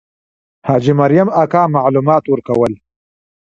حاجي مریم اکا معلومات ورکول.